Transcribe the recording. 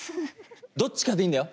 どっちかでいいんだよ